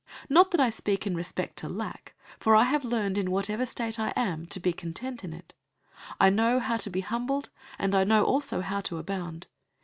004:011 Not that I speak in respect to lack, for I have learned in whatever state I am, to be content in it. 004:012 I know how to be humbled, and I know also how to abound.